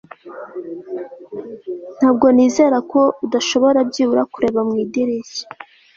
Ntabwo nizera ko udashaka byibura kureba mu idirishya